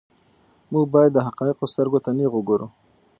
موږ باید د حقایقو سترګو ته نیغ وګورو.